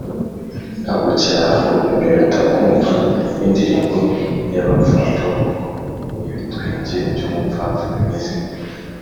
agucyaha o biruta kumva indirimbo y abapfapfa kuko ibitwenge by umupfapfa bimeze